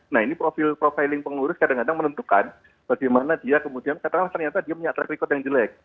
nah ini profil profiling pengurus kadang kadang menentukan bagaimana dia kemudian katakanlah ternyata dia punya track record yang jelek